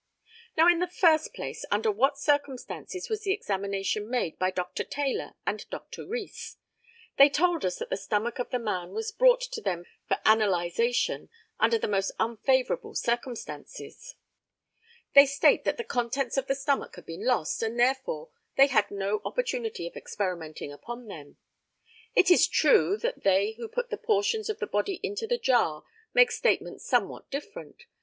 Now, in the first place, under what circumstances was the examination made by Dr. Taylor and Dr. Rees. They told us that the stomach of the man was brought to them for analysation under the most unfavourable circumstances. They state that the contents of the stomach had been lost, and therefore they had no opportunity of experimenting upon them. It is true that they who put the portions of the body into the jar make statements somewhat different.